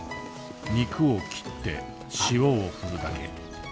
肉を切って塩を振るだけ。